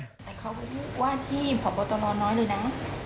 แต่เขาก็พูดว่าที่ผอบบตรอน้อยเลยนะ